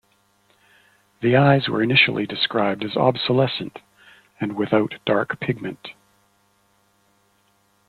The eyes were initially described as "obsolescent" and without dark pigment.